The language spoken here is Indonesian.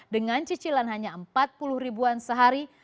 dengan cicilan hanya rp empat puluh sehari